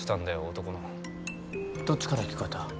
男のどっちから聞こえた？